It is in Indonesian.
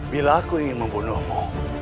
bila aku ingin membunuhmu